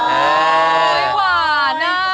อ๋อหวานนะ